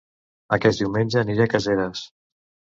Aquest diumenge aniré a Caseres